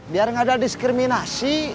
biar gak ada diskriminasi